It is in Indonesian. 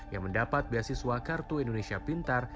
yang mendapat beasiswa kartu indonesia pintar